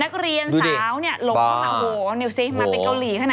นักเรียนสาวเนี่ยหลงเข้ามาโอ้โหนิวสิมาเป็นเกาหลีขนาด